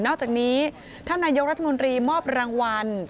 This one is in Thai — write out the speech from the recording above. อกจากนี้ท่านนายกรัฐมนตรีมอบรางวัล